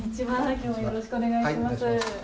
よろしくお願いします。